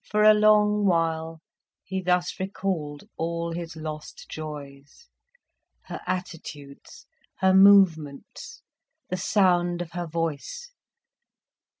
For a long while he thus recalled all his lost joys, her attitudes, her movements, the sound of her voice.